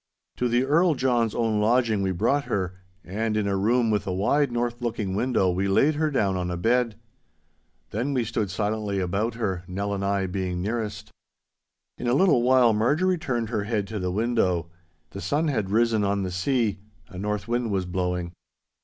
To the Earl John's own lodging we brought her, and in a room with a wide north looking window we laid her down on a bed. Then we stood silently about her, Nell and I being nearest. In a little while Marjorie turned her head to the window. The sun had risen on the sea. A north wind was blowing.